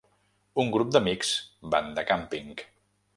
Un grup d'amics van de càmping.